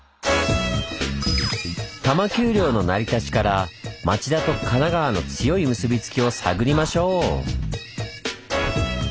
多摩丘陵の成り立ちから町田と神奈川の強い結びつきを探りましょう！